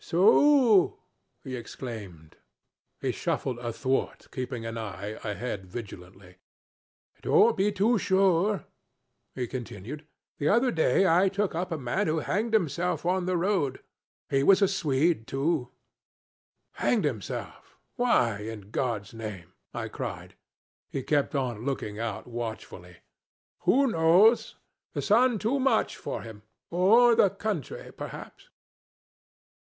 'So o o!' he exclaimed. He shuffled athwart, keeping one eye ahead vigilantly. 'Don't be too sure,' he continued. 'The other day I took up a man who hanged himself on the road. He was a Swede, too.' 'Hanged himself! Why, in God's name?' I cried. He kept on looking out watchfully. 'Who knows? The sun too much for him, or the country perhaps.'